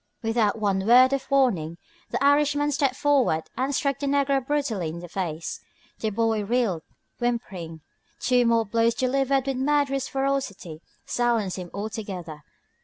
Without one word of warning the Irishman stepped forward and struck the negro brutally in the face. The boy reeled, whimpering. Two more blows delivered with murderous ferocity silenced him altogether.